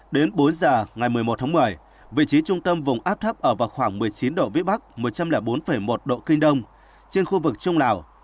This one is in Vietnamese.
đến bốn giờ ngày một mươi một tháng một mươi vị trí trung tâm vùng áp thấp ở vào khoảng một mươi chín độ vĩ bắc một trăm linh bốn một độ kinh đông trên khu vực trung lào